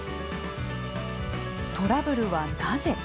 トラブルはなぜ。